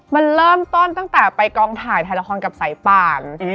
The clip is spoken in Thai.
มันเริ่มต้นตั้งแต่ไปกองถ่ายถ่ายละครกับสายป่าน